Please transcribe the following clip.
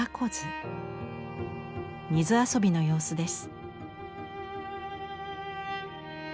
水遊びの様子です。